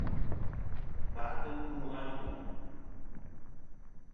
Yi ma'tɨ mu a ngu'.